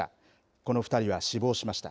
この２人は死亡しました。